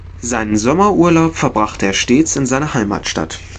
Seinen Sommerurlaub verbrachte er stets in seiner Heimatstadt.